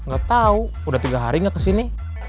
gak tau udah tiga hari gak kesini